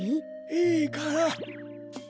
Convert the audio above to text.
いいから。